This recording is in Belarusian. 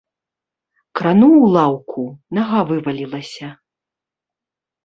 Крануў лаўку, нага вывалілася.